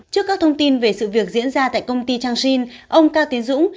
trước các thông tin về sự việc diễn ra tại công ty trang sin ông cao tiến dũng